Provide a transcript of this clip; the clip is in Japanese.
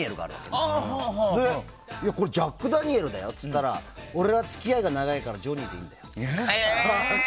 で、これジャック・ダニエルだよって言ったら俺は付き合いが長いからジョニーでいいんだって。